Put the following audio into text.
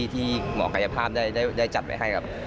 ที่หมอกายภาพได้จัดไว้ให้กับ